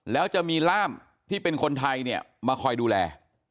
แล้วจะมีล่ามที่เป็นคนไทยเนี่ยมาคอยดูแล